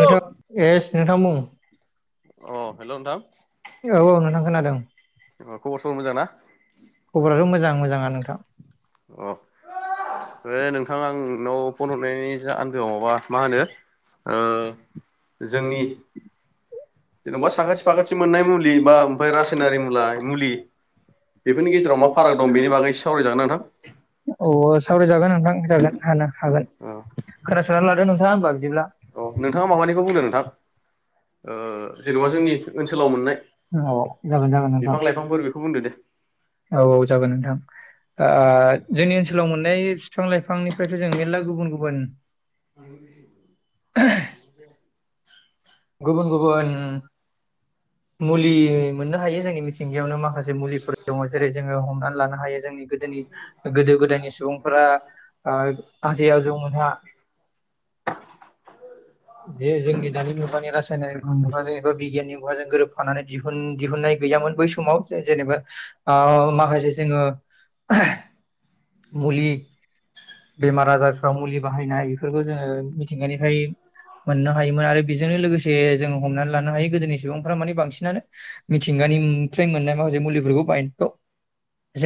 ग्रोथां एस नोंथां बुं अ हेल' नोंथां औ औ नोंथां खोनादों। अ खबर सबर मोजां ना? खबराथ' मोजां मोजाङा नोंथां। अ [unintelligible] बे नोंथां आं नाव फन हरनायनि जा आन्दोआव बा मा होनो ओ औ दै जेन'बा साखाथि फाखाथि मोननाय मुलि बा ओमफ्राय रासायनारि मुला मुलि बेफोरनि गेजेराव मा फाराग दं बेनि बागै एसे सावरायजागोन ना सावरायजागोन नोंथां जाग हागोन नोंथां खोनासना लादो नोंथाङा होनबा बिदिब्ला औ नोंथाङा माबानिखौ बुंदो नोंथां ओ थां जेन'बा जोंनि ओनसोलाव मोननाय औ बिफां लाइफांफोर बेखौ बुंदो दे औ जागोन नोंथां जोंनि ओनसोलाव मोननाय बिफां लाइफांनिफ्रायथ' जों मेरला गुबुन गुबुन गुबुन गुबुन मुलि मोननो हायो जोंनि मिथिंगायावनो माखासे मुलिफोर दङ जेरै जोङो हमनानै लानो हायो जोंनि गोदोनि गोदो गोदायनि सुबुंफोरा आजै आजौमोनहा जे जोंनि दानि मुगानि रासायनक मुगाजों एबा बिगियाननि मुगाजों फानानै दिहुन दिहुननाय गैयामोन बै समाव जेनेबा माखासे जोङो मुलि बेमार आजारफ्राव मुलि बाहायनाय बेफोरखौ जोङो मिथिंगानिफ्राय मोननो हायोमोन आरो बेजोंनो लोगोसे जोंङ हमनानै लानो हायो गोदोनि [unintelligible] सम मोननाय माखासे मुलिफोरखौ बायनायखौ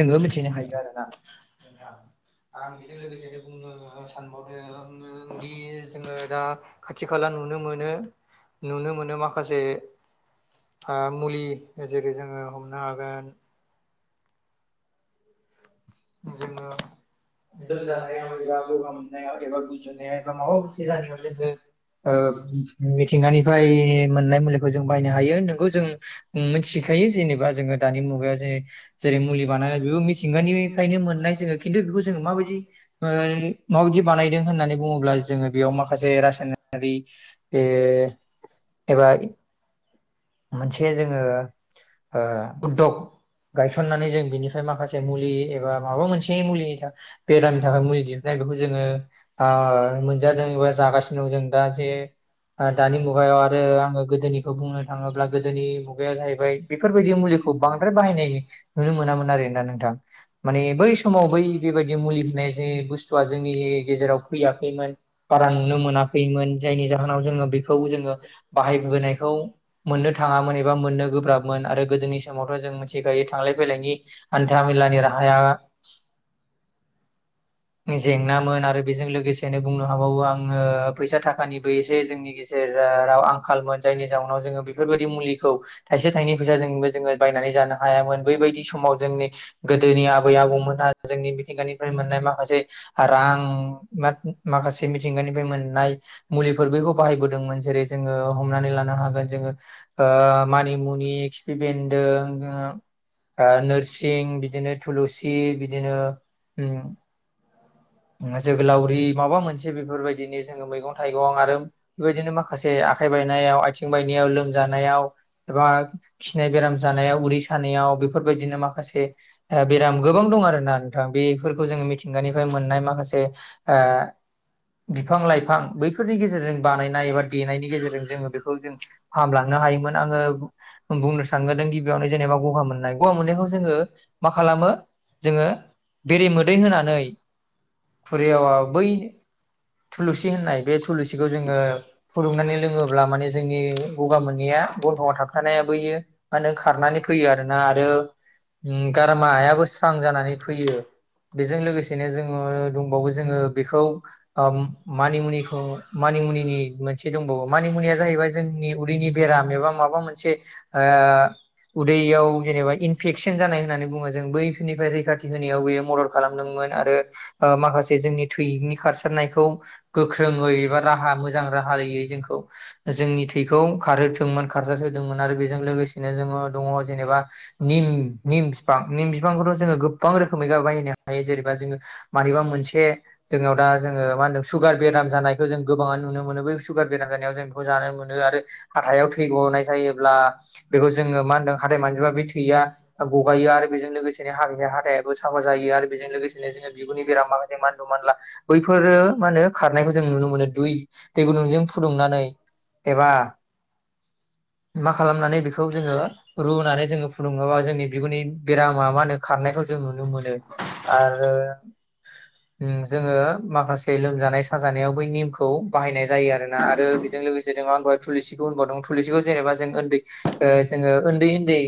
जोङो मिथिनो हायो आरोना जोंदि जोङो दा खाथि खाला नुनो मोनो नुनो मोनो माखासे हा मुलि जेरै जोङो हमनो हागोन जोङो लोमजानायाव एबा गगा मोननायाव एबा गुजुनायाव एबा माबा मोनसे जानायाव जोङो मिथिंगानिफ्राय मोननाय मुलिखौ जों बायनो हायो नोंखौ जों मिथिखायो जेनेबा जोङो दानि मुगायाव जे जेरै मुलि बानायानानै बेबो मिथिंगानिफ्राय मोननाय जो खिन्थु बेखौ जों जों माबायदि माबायदि बानायदों होननानै बुङोब्ला जोङो बेयाव माखासे रासायनारि ए एबा मोनसे जोङो उददग गायसननानै जों बिनिफ्राय माखासे मुलि एबा माबा मोनसे मुलिनि थाखाय बेरामनि थाखाय मुलि दिहुननाय बेखौ जोङो मोनजादों एबा जागासिनो दं जों दा जे दानि मुगायाव आरो आङो गोदोनिखौ बुंनो थाङोब्ला गोदोनि मुगाया जाहैबाय बेफोरबायदि मुलिखौ बांद्राय बाहायनाय नुनो मोनामोन आरोना नोंथां माने बै समाव बै बेबायदि मुलि होनाय जे बुस्थुआ जोंनि गेजेराव फैयाखैमोन बारा नुनो मोनाखैमोन जायनि जाहोनाव जोङो बेखौ जोङो बाहायबोनायखौ मोननो थाङामोन एबा मोननो गोब्राबमोन आरो गोदोनि समावथ' जों मिथिखायो थांलाय फैलायनि हान्था मेलानि राहाया [inaudible] जेंनोन आरो बेजों लोगोसेनो बुंनो हाबावो आङो फैसा थाखानिबो एसे जोंनि गेजेर राव आंखालमोन जायनि जाउनाव जोङो बेफोरबायदि मुलिखौ थायसे थाइनै फैसाजोंबो जोङो बायनानै जानो हायामोन बैबायदि समाव जोंनि गोदोनि आबै आबौमोनहा जोंनि मिथिंगानिफ्राय मोननाय माखासे रां माखासे मिथिंगानिफ्राय मोननाय मुलिफोर बेखौ बाहायबोदोंमोन जेरै जोङो हमनानै लानो हागोन जोङो ओ मानिमुनि खिफि बेन्दों नोरसिं बिदिनो थुलुसि बिदिनो उम जोगोलावरि माबा मोनसे बेफोरबायदिनो जोङो मैगं थाइगं आरो बेबायदिनो माखासे आखाइ बायनायाव आथिं बायनायाव लोमजानायाव एबा खिनाय बेराम जानायाव उदै सानायाव बेफोरबायदिनो माखासे बेराम गोबां दं आरोना नोंथां बेफोरखौ जोङो मिथिंगानि मोननाय माखासे ओ बिफां लाइफां बैफोरनि गेजेरजों बानायनाय बा देनायनि गेजेरजों जोङो बेखौ जों फाहामलांनो हायोमोन आङो बुंनो सानगदों गिबियावनो जेनेबा गगा मोननाय गगा मोननायखौ जोङो मा खालामो जोङो बेरेमोदै होनानै खुरियावा बैनो थुलुसि होननाय बे थुलुसिखौ जोङो फुदुंनानै लोङोब्ला माने जोंनि गगा मोनैया गनथंआव थाबथानायाबो बेयो मा होनो खारनानै फैयो आरोना आरो ओम गारामायाबो स्रां जानानै फैयो बेजों लोगोसेनो जों ओ दङबावो जोङो बेखौ ओम मानिमुनिखौ मानिमुनिनि मोनसे दंबावो मानिमुनिया जाहैबाय जोंनि उदैनि बेराम एबा माबा मोनसे ओ उदैयाव जेनेबा इनफेकसन जानाय होननानै बुङो जों बैफोरनिफ्राय रैखाथि होनायाव बेयो मदद खालामदोंमोन आरो ओ माखासे जोंनि थैनि खारसारनाय बेखौ गोख्रोङै एबा राहा मोजां राहायै जोंखौ जोंनि थैखौ खारहोथोंमोन खारजारहोदोंमोन आरो बेजों लोगोसेनो जोङो दङ जेनेबा निम निम बिफां निम बिफांखौथ' जोङो गोबां रोखोमै बायनो हायो जेनेबा जोङो मानिबा मोनसे जोंनाव दा जोङो सुगार बेराम जानायखौ जों गोबाङा नुनो मोनो बै सुगार बेराम जानायाव जों बेखौ जानो मोनो आरो हाथायाव थै गनाय जायोब्ला बेखौ जोङो मा होनदों हाथाइ मानजोबा बे थैया गगायो आरो बेजों लोगोसेनो [unintelligible] हाथायाबो साफा जायो आरो बेजों लोगोसेनो जोङो नि बेराम माखासे मानलु मानला बैफोरो खारनायखौ जों नुनो मोनो दै दै गुदुंजों फुदुंनानै एबा मा खालामनानै बेखौ जोङो रुनानै जोङो फुदुङोबा जोंनि बिगुरनि बेरामा मा होनो खारनायखौ जों नुनो मोनो आरो ओम जोङो माखासे जानाय साजानायावबो निमखौ बाहायनाय जायो आरोना आरो बेजों लोगोसे दङ बै थुलुसिखौ [unintelligible] थुलुसिखौ जेनेबा जों ओनदै ओ जोङो ओनदै ओनदै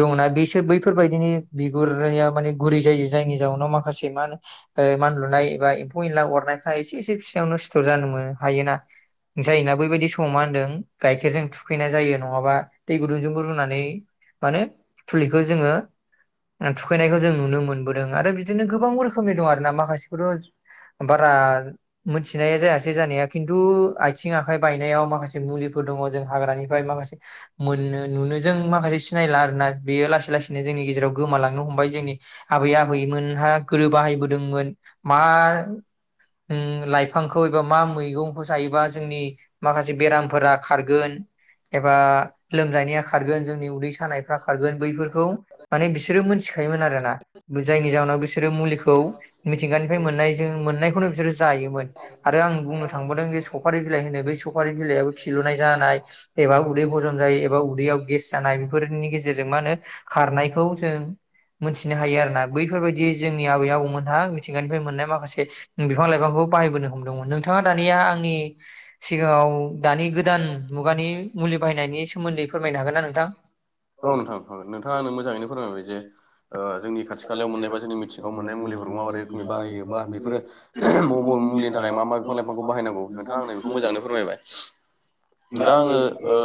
दङना बैसोर बैफोरबायायदिनि बिगुर माने गुरै जायो जायनि जउाव माखासे एमान ओ मानलुनाय एबा एमफै एन दा अरनायख एसे एसे फिसायावनो सिथर' जानो मोनो हायोना जायना बैबायदि समाव मा होनदों गाइखेरजों थुखैनाय जायो नङाबा दै गुदुंजोंबो रुनानै मानो थुलिखौ जोङो थुखैनायखौ जों नुनो मोनबोदों आरो बिदिनो गोब गोबां रोखोमनि दं आरो ना माखासेखौथ' बारा मोनथिनाया जायासै जानाया खिन्थु आथिं आखाइ बायनायाव माखासे मुलिफोर दङ जों हाग्रानिफ्राय माखासे मोननो नुनो जों माखासे सिनायला आरोना बेयो लासै लासैनो जोंनि गेजेराव गोमालांनो हमबाय जोंनि आबै आबैमोनहा गोदो बाहायबोदोंमोन मा उम लाइफांखौ एबा मा मैगंखौ जायोबा जोंनि माखासे बेरामफोरा खारगोन एबा लोमजानाया खारगोन जोंनि उदै सानायफ्रा खारगोन बैफोरखौ माने बिसोरो मोनथिखायोन आरोना जायनि जाहोनाव बिसोर मुलिखौ मिथिंगानिफ्राय मोनाय जों मोननायखौनो बिसोरो जायोमोन आरो आं बुंनो थांबावदों जे सफारि बिलाइ होनो बेै सफारि बिलाइयाबो खिलुनाय जानाय एबा उदै हजम जायै एबा उदैयाव गेस' जानाय बेफोर गेजेरजों मा होनो खारनायखौ जों मोनथिनो हायो आरोना बैफोरबायदि जोंनि आबै आबौमोनहा मिथिंगानिफ्राय मोननाय माखासे ओम बिफां लाइफांखौ बाहायबोनो हमदोंमोन नोंथाङा दानिया आंनि सिगाङाव दानि गोदान मुगानि मुलि बाहायनायनि सोमोन्दै फोरमायनो हागोन ना नोंथां? औ नोंथां हागोन नोंथाङा नों मोजाङै फोरायनोबाय जे ओ जोंनि खाथि खालायाव मोननायबा जोंनि मिथि बाव मोननाय मुलिफोरखौ माबायदि रोखोमै बाहायोबा बेफोरो म' म' मुलिनि थाखाय मा मा बिफां लाइफांखौ बाहायनांगौ नोंथाङा आंनो बेखौ मोजाङैनो फोरमायबाय दा आङो ओ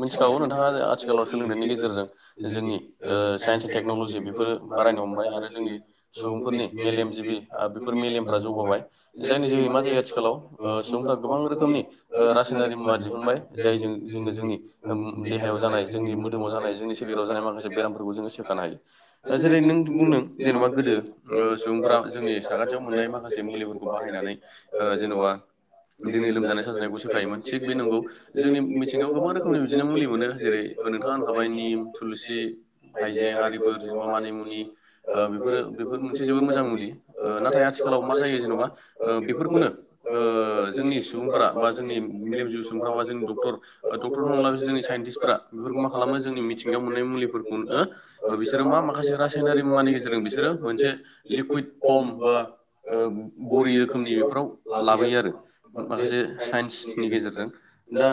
मिथिखागौ नोंथाङा आथिखालाव बेनि गेजेरजों जोंनि ओ साइन्स एन्ड टेक्न'लजि बेफोरो बारायनो हमबाय आरो जोंनि सुबुंफोरनि मेलेम जिबि बेफोर मेलेमफ्रा जौगाबाय जायनि जोहै मा जायो आथिखालाव ओ सुबुंफ्रा गोबां रोखोमनि ओ रासायनारि मुवा दिहुनबाय जायजों जोङो जोंनि देहायाव जानाय जोंनि मोदोमाव जानाय जोंनि सोलेराव जानाय माखासे बेरामफोरखौ जोङो सोखानो हायो जेरै नों बुंदों जेनेबा गोदो ओ सुबुंफोओरा जोंनि साखाथियाव मोननाय माखासे मुलिफोरखौ बाहायनानै ओ जेन'बा जोंनि लोमजानाय साजानायखौ सोखायोमोन। थिग बे नंगौ जोंनि मिथिङायाव गोबां रोखोमनि बिदिनो मुलि मोनो जेरै नोंथाङा होनखाबाय निम, थुलुसि, हाइजें आरिफोर जेनबा मानि मुनि बेफोरो बेफोर मोनसे जोबोर मोजां मुलि। ओ नाथाय आथिखालाव मा जायो जेन'बा ओ बेफोरखौनो ओ जोंनि सुबुंफोरा बा जोंनि मेलेमजिबि सुबुंफ्रा बा जोंनि डक्टर डक्टरफोर नंला बिसोर जोंनि साइन्टिस्टफोरा बेफोरखौ मा खालामो जोंनि मिथिंगायाव मोननाय मुलिफोरखौनो ओ बिसोरो मा माखासे रासायनारि मुवानि गेजेरजों बिसोरो मोनसे लिकुइड फर्म बा बरि रोखोमनि बेफोराव लाबोयो आरो माखासे साइन्सनि गेजेरजों दा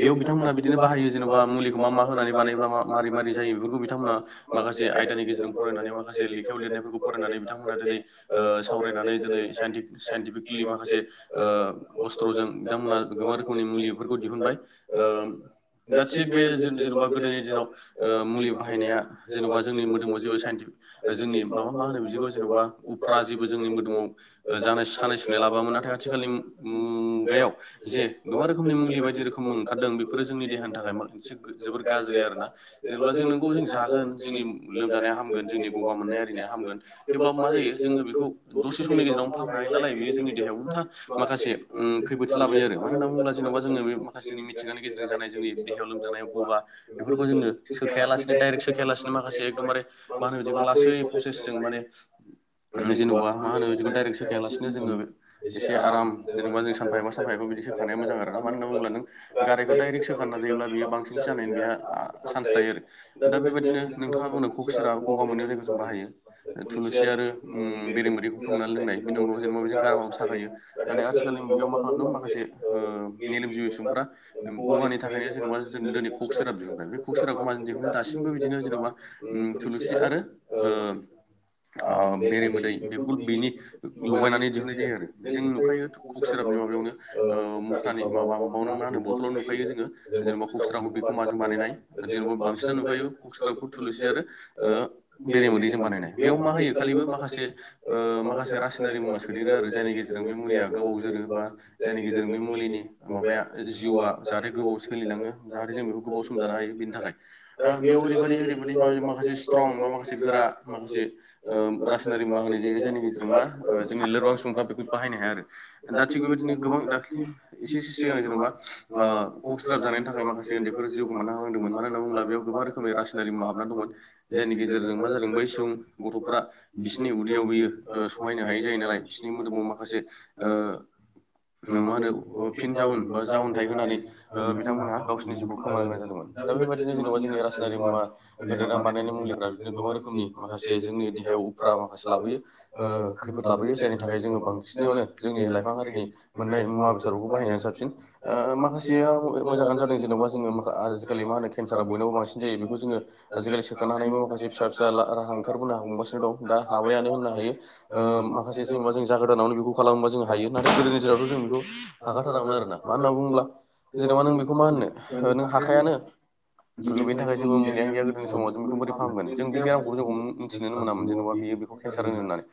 बेयाव बिथांमोना बिदिनो बाहायो जेनेबा मुलिखौ मा मा होनानै बानायोब्ला मा मारै मारै जायो बेफोरखौ बिथांमोना माखासे आयदानि गेजेरजों फरायनानै माखासे लेखायाव लिरनायफोरखौ फरायनानै बिथांमोनहा ओ दिनै सावरायनानै दिनै साइन्टिफिकेलि माखासे ओ अस्त्रजों बिथांमोनहा गोबां रोखोमनि मुलिफोरखौ दिहुनबाय ओ दा थिग बे जोंनि जेन'बा गोदोनि दिनाव मुलि बाहायनाया जेन'बा जोंनि मोदोमाव जेबो साइन्टिफिक जोंनि माबा मा होनो बिदिखौ जेन'बा उफ्रा जेबो जोंनि मोदोमाव जानाय सानाय सुनाय लाबोयामोन नाथाय आथिखालनि मुगायाव जे गोबां रोखोमनि मुलि बायदि रोखोम ओंखारदों बेफोरो जोंनि देहानि थाखाय मोनसे जोबोर गाज्रि आरोना जेनेबा जों नोंगौ जों जागोन जोंनि लोमजानाया हामगोन गगा मोननाय आरिनाय हाममोन थेवब्लाबो मा जायो जोङो बेखौ दसे समनि गेजेरावनो फाहामनो हायो नालाय बेयो जोंनि देहायाव उलथा माखासे खैफोदसो लाबोयो आरो मानो होनना बुङोब्ला जेन'बा जोङो बे माखासे जों मिथिंगानि गेजेरजों जानाय जोंनि देहायाव लोमजानाय गगा बेफोरखौ जोङो सोखाया लासेनो दडाइरेक्ट सोखाया लासिनो माखासे एकदमबारे मा होनो बिदिखौ लासै प्रसेस जों माने जेनेबा मा होनो बिदिखौ दडाइरेक्ट सोखायालासेनो जोङो एसे आराम जेनेबा जों सानफा एफा सानफा एफा बिदि सोखानाया मोजां आरोना मानो होननानै बुङोब्ला नों गारायखौ डाइरेक्ट सोखानो नाजायोब्ला बेयो बांसिन जानायनि बेहा आं चान्स थायो आरो दा बेबायदिनो नोंथाङाबो नोंखौ बिसोरा गगा मोननायाव जायखौ जों बाहायो थुलुसि आरो ओम बेरेमोदैखौ फुंदुंनानै लोंनाय। बे उनाव जेनेबा गारामाव साखायो नाथाय आथिखालनि मुगायाव मा खालामदों माखासे मेलेमजिबि सुबुंफ्रा गगानि थाखायनो जेनेबा जों दिनै ककसिराब बिहुनबाय। बे ककराबखौ माजों दिहुननो दासिमबो बिदिनो जेनेबा ओम थुलुसि आरो ओ ओ बेरेमोदै बे बेनि लगायनानै दिहुननाय जायो आरो। जों नुखायो ककसराबनि माबायावनो मुख्रानि माबा माबायाव मा होनो ब थुलावनो नुखायो जोङो जेनेबा ककसिराबखौ माजों सिनायनाय। जेनबा बांसिनानो नुखायो ककसिराबखौ सि आरो बेरेमोदैजों बानायनाय बेयाव मा होयो खालिबो माखासे माखासे रासायनारि मुवा सोदेरो आरो जायनि गेजेरजों बे मुलिया गोबाव जोरो बा जायनि गेजेरजों बे मुलिनि माबाया जिउआ जाहाथे गोबाव सोलिलाङो जाहाथे जों बेखौ गोबाव सम दानो हायो बेनि थाखाय। दा बेयाव ओरैबायदि ओरै माखासे स्ट्रं बा माखासे गोरा माखासे रासायनारि मा होननाय जायो जायनि गेजेरजों मा जोंनि लोरबां सुबुंफ्रा बेखौ बाहायनो हाया आरो दा थिग बेबायदिनो गोबां दाख्लि एसे एसे सिगां जेनेबा ओ ककसिराब जानायनि थाखाय माखासे उन्दै गथ'फोर जिउ गोमा हांदोंमोन मा होनना बुोब्ला बेयाव गोबां रोखोमनि रासनारि मुवा हाब जायनि गेजेरजों मा जादों बै सुबुं गथ'फोरारा बिसिोरनि उदैयाव बियो सहायनो हायै जायो नालाय बिसोरनि मोदोमाव माखासे मा होनो फिन जावन बा जावन फिथाइ होनानै ओ बिथांमोनहा गावसिनि जिउखौ खोमान होनोनाय जादोंमोन। दा बेबायदिनो जेनेबा जोंनि रासायारि मुवा होदेरना बानायनाय मुलिफ्रा बिदिनो गोबां रोखोमनि माखासे जोंनि देहायाव उफ्रा माखासे लाबोयो ओ खैफोद लाबोयो जायनि थाखाय जोङो बांसिनावनो जोंनि लाइफां हारिनि मोननाय मुवा बेसादफोरखौ बाहायनायानो साबसिन। माखासेया मोजाङानो जादों जेन'बा जोङो आजिखालि मा होनो केन्सारा बयनावबो बांसिन जायो बेखौ जोङो आजिखालि सोखानो हानायनि माखासे फिसा फिसा राहा ओंखारबोनो हमगासिनो दं दा हाबायानो होननो हायो ओ माखासे जेनबा जों जा गोदानावनो बेखौ खालामोबा जों हायो नाथाय गोदोनि दिनावथ' जों बेखौ हाखाराथारामोन आरोना। मा होनना बुङोब्ला जेन'बा नों बेखौ मा होननो नों हाखायानो बेनि थाखाय जेबो मुंलैयानो गैया। गोदोनि समाव जों बेखौ बोरै फाहामगोन जों बेरामखौ जोंखौ मिथिनोनो मोनामोन जेनेबा बियो बेखौ केन्सार होनो होननानै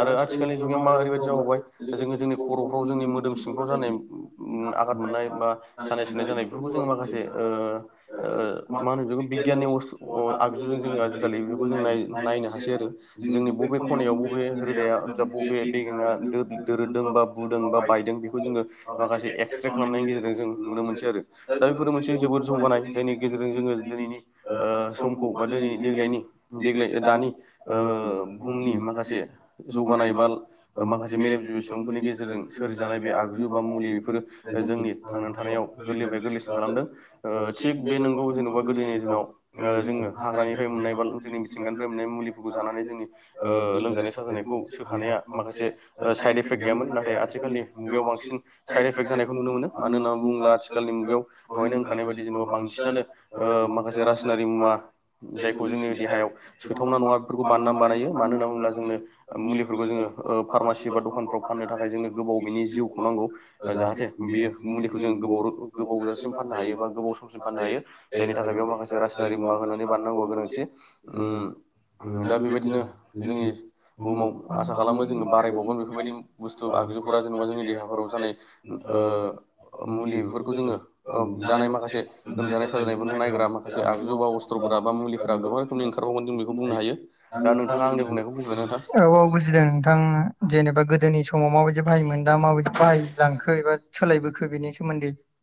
आरो आथिखालनि जुगायाव मा ओरैबायदि जाबावबाय जोङो जोंनि खर'फ्राव जोंनि मोदोम सिंफ्राव जानाय उम आघाद मोननाय बा सानाय सुनाय जानाय बेफोरखौ जोङो माखासे ओ ओ मा होनो जु बिगियाननि बुस्थ। अ आगजुजों जोङो आजिखालि बेखौ जों नाय नायनो हासै आरो जोंनि बबे खनायाव बबे रोदाया जा बबे बेगेंआ दोरोददों बा बुदों बा बायदों बेखौ जोङो माखासे एक्सरे खालामनायनि गेजेरजों जों नुनो मोनसै आरो दा बेफोरो मोनसे जोबोद जौगानाय जायनि गेजेरजों जोङो दिनैनि ओ समखौ दिनै देग्लायनि देग्लाय दानि ओ बुहुमनि माखासे जौगानाय बा माखासे मेलेमजिबि सुबुंफोरनि गेजेरजों सोरजि जानाय बे आगजु बा मुलि बेफोरो जोंनि थांनानै थानायाव गोरलैनिफ्राय गोरलैसिन खालामदों थिग बे नंगौ जेन'बा गोदोनि दिनाव जोङो हाग्रानिफ्राय मोननाय बा जोंनि मिथिंगानिफ्राय मोननाय मुलिफोरखौ जानानै जोंनि ओ लोमजानाय साजानायखौ सोखानाया माखासे साइड इफेक्ट गैयामोन नाथाय आथिखालनि मुगायाव बांसिन साइड एफेक्ट जानायखौ नुनो मोनो मानो होननानै बुङोब्ला आथिखालनि मुगायाव दहायनो होनखानाय बायदि जेनेबा बांसिनानो माखासे रासायनारि मुवा जायखौ जोंनि देहायाव सोथावना नङा बेफोरखौ बानायना बानायो मानो होनना बुङोब्ला जोङो मुलिफोरखौ जोङो फार्मासि एबा दखानफ्राव फाननो थाखाय जोंनो गोबाव बिनि जिउखौ नांगौ। जाहाथे बे मुलिखौ जों गोबाव गोबावजासिम फाननो हायो बा गोबाव समसिम फाननो हायो जायनि थाखाय बेयाव माखासे राज दारि मुवा होनानै बानायनागौनि गोनांथि दा बेबायदिनो जोंनि औ बुहुमाव आसा खालामो जोङो बारायबावगोन बेफोरबायदि बुस्थु आगजुफोरा जेनेबा जोंनि देहाफोराव जानाय। ओ मुलि बेफोरखौ जोङो जानाय माखासे लोमजानाय साजानायफोरखौ नायग्रा माखासे आग [unintelligible] औ औ ओंखारबावगोन जों बेखौ बुंनो हायो दा नोंथाङा आंनि बुंनायखौ बुजिबायना नोंथां बुजिदों नोंथां जेनेबा गोदो। गोदोनि समाव माबायदि बाहायोमोन दा माबायदि बाहायलांखो एबा सोलायबोखो बेनि सोमोन्दै